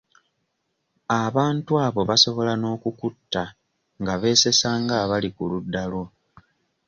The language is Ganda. Abantu abo basobola n'okukutta nga beesesa nga abali ku ludda lwo.